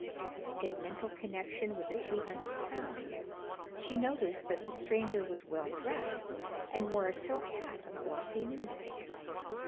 In mental connection with the two hundred pounds, she noticed that the stranger was well dressed, and wore a silk hat of glossy newness.